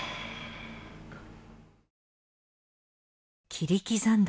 切り刻んだ